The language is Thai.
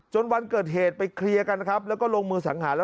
วันเกิดเหตุไปเคลียร์กันนะครับแล้วก็ลงมือสังหารแล้ว